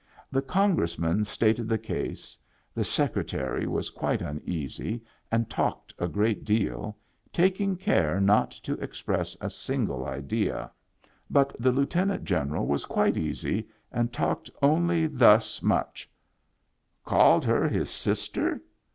The Congressman stated the case ; the Secretary was quite uneasy, and talked a great deal, taking care not to express a single idea; but the Lieutenant General was quite easy and talked only thus much :" Called her his sister